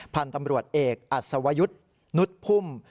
พันธุ์ตำรวจเอกอัศวยุทธ์นุษย์พุ่ม